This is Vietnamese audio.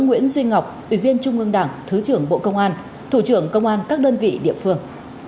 nguyễn duy ngọc ủy viên trung ương đảng thứ trưởng bộ công an thủ trưởng công an các đơn vị địa phương